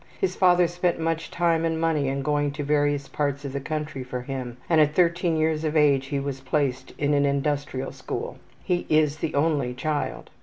His father spent much time and money in going to various parts of the country for him, and at 13 years of age he was placed in an industrial school. He is the only child.